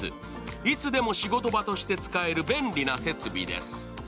いつでも仕事場として使える便利な設備です。